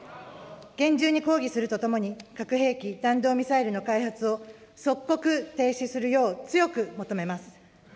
厳重に抗議するとともに、核兵器・弾道ミサイルの開発を即刻停止するよう強く求めます。